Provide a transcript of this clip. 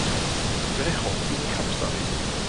佢係河邊吸水